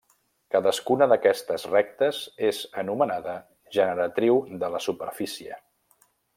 Cadascuna d'aquestes rectes és anomenada generatriu de la superfície.